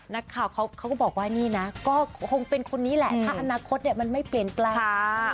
นักข่าวเขาก็บอกว่านี่นะก็คงเป็นคนนี้แหละถ้าอนาคตมันไม่เปลี่ยนแปลง